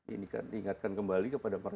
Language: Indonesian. ini kan diingatkan kembali